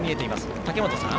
武本さん。